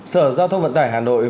sở giao thông vận tải hà nội